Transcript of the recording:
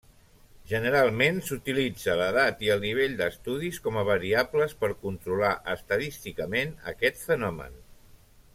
Generalment, s’utilitza l’edat i el nivell d’estudis com a variables per controlar estadísticament aquest fenomen.